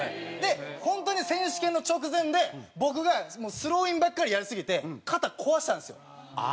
本当に選手権の直前で僕がスローインばっかりやりすぎて肩壊したんですよ。